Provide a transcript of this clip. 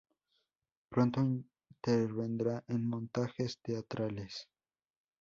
Pronto intervendrá en montajes teatrales.